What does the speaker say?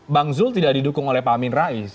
bang zulkifli hasan tidak didukung oleh pak amin rais